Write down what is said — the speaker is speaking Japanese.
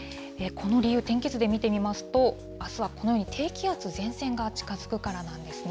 この理由、天気図で見てみますと、あすはこのように、低気圧、前線が近づくからなんですね。